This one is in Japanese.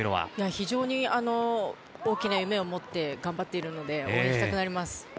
非常に大きな夢を持って頑張っているので、応援したくなります。